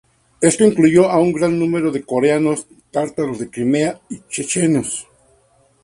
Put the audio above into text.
Esto incluyó a una gran número de coreanos, tártaros de Crimea, y Chechenos.